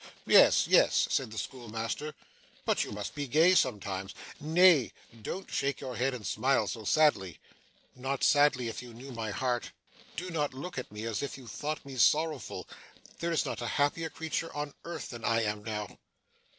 'Yes, yes,' said the schoolmaster. 'But you must be gay sometimes nay, don't shake your head and smile so sadly.' 'Not sadly, if you knew my heart. Do not look at me as if you thought me sorrowful. There is not a happier creature on earth, than I am now.